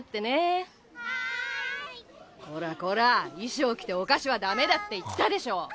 こらこら衣装着てお菓子はダメだって言ったでしょ！